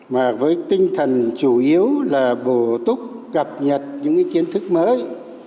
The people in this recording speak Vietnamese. mà với tinh thần chủ yếu là bổ túc cập nhật những kiến thức mới